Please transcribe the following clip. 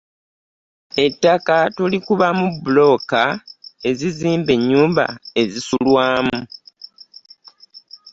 ettaka tulisi likubamu buloka ezizimba enyumba ezisulwamu